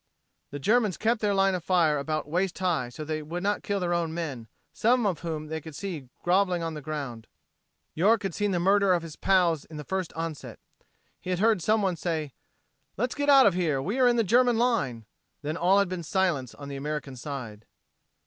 The Germans kept their line of fire about waist high so they would not kill their own men, some of whom they could see groveling on the ground. York had seen the murder of his pals in the first onset. He had heard some one say, "Let's get out of here; we are in the German line!" Then all had been silence on the American side.